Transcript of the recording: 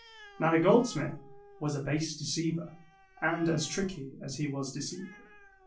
Now the goldsmith was a base deceiver, and as tricky as he was deceitful.